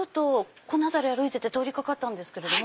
この辺り歩いてて通りかかったんですけれども。